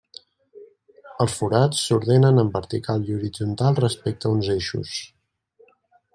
Els forats s'ordenen en vertical i horitzontal respecte uns eixos.